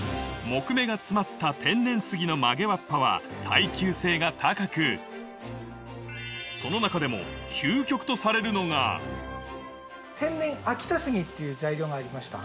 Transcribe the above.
木目が詰まった天然杉の曲げわっぱは耐久性が高くその中でも究極とされるのがっていう材料がありました。